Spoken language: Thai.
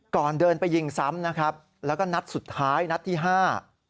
ก่อนเดินไปยิงซ้ำนะครับแล้วก็นัดสุดท้ายนัดที่ห้า